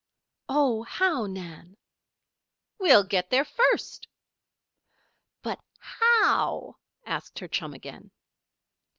"Oh, how, Nan?" "We'll get there first." "But, how?" asked her chum again.